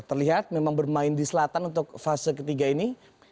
terlihat memang bermain di selatan untuk fase ketiga ini